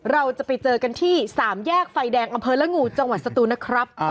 เราจะไปเจอกันที่สามแยกไฟแดงอำเภอละงูจังหวัดสตูนนะครับ